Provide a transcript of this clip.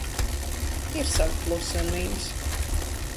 Ir savi plusi un mīnusi.